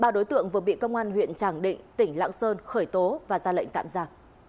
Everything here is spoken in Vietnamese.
ba đối tượng vừa bị công an huyện tràng định tỉnh lạng sơn khởi tố và ra lệnh tạm giả